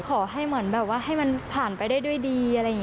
ขอให้มันผ่านไปด้วยดี